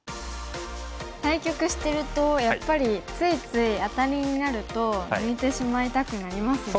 対局してるとやっぱりついついアタリになると抜いてしまいたくなりますよね。